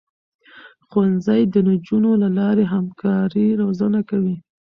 ښوونځی د نجونو له لارې همکاري روزنه کوي.